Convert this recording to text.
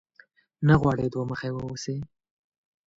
نه غواړې دوه مخی واوسې؟